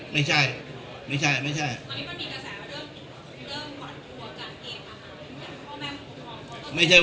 ไม่ใช่ไม่ใช่ไม่ใช่